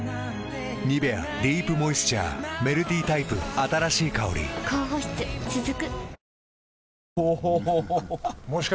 「ニベアディープモイスチャー」メルティタイプ新しい香り高保湿続く。